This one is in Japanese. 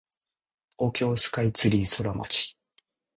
東京スカイツリーソラマチ